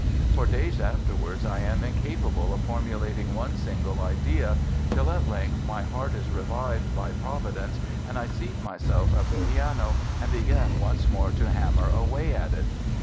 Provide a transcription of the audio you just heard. For days afterwards I am incapable of formulating one single idea, till at length my heart is revived by providence, and I seat myself at the piano and begin once more to hammer away at it.